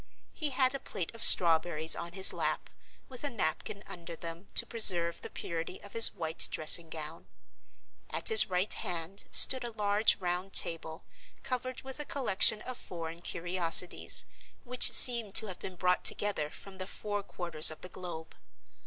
He had a plate of strawberries on his lap, with a napkin under them to preserve the purity of his white dressing gown. At his right hand stood a large round table, covered with a collection of foreign curiosities, which seemed to have been brought together from the four quarters of the globe.